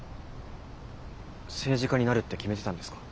政治家になるって決めてたんですか？